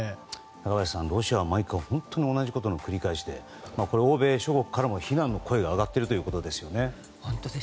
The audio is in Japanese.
中林さん、ロシアは毎回同じことの繰り返しで欧米諸国からも非難の声が上がっているということですね。